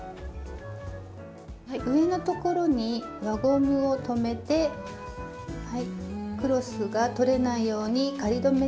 上のところに輪ゴムを留めてクロスが取れないように仮留めします。